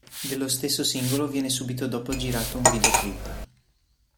Dello stesso singolo viene subito dopo girato un video clip.